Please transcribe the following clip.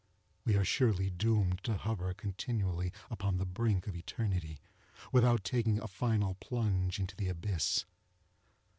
We are surely doomed to hover continually upon the brink of eternity, without taking a final plunge into the abyss.